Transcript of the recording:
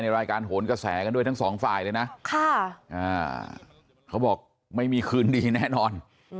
รายการโหนกระแสกันด้วยทั้งสองฝ่ายเลยนะเขาบอกไม่มีคืนดีแน่นอน